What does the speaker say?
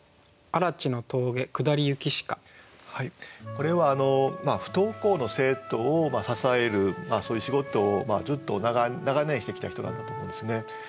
これは不登校の生徒を支えるそういう仕事をずっと長年してきた人なんだと思うんですね。